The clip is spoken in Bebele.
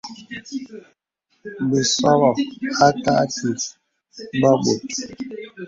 Bəsɔbɔ̄ à kààkì bɔ̄ bòt.